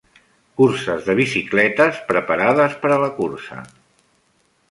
Curses de bicicletes preparades per a la cursa